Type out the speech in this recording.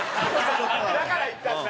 だからいったんだ。